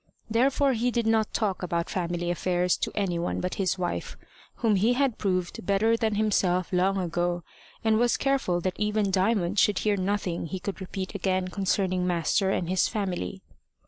Therefore he did not talk about family affairs to any one but his wife, whom he had proved better than himself long ago, and was careful that even Diamond should hear nothing he could repeat again concerning master and his family.